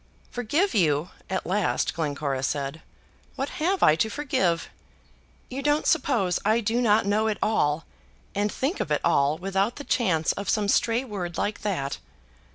"Forgive you!" at last Glencora said. "What have I to forgive? You don't suppose I do not know it all, and think of it all without the chance of some stray word like that!